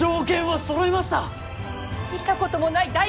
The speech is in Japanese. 見たこともない